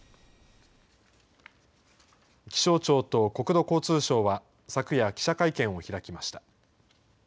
気象庁と国土交通省は昨夜、記者会見を開きました。